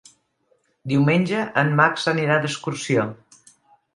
Diumenge en Max anirà d'excursió.